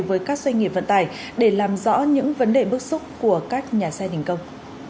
với các doanh nghiệp vận tải để làm rõ những vấn đề bức xúc của các nhà xe thành công